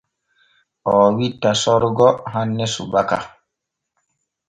Oo witta Sorgo hanne subaka.